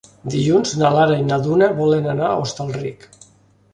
Dilluns na Lara i na Duna volen anar a Hostalric.